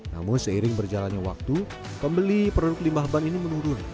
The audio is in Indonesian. namun seiring berjalannya waktu pembeli produk limbah ban ini menurun